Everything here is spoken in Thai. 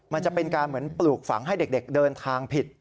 มันจะเป็นการเหมือนปลูกฝังให้เด็กเดินทางผิด